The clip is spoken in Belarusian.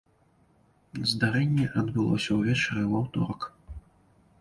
Здарэнне адбылося ўвечары ў аўторак.